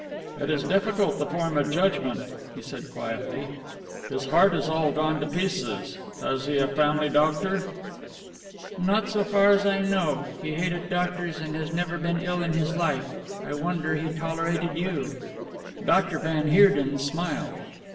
"It is difficult to form a judgment," he said quietly, "his heart is all gone to pieces. Has he a family doctor?" "Not so far as I know he hated doctors, and has never been ill in his life. I wonder he tolerated you." Dr. van Heerden smiled.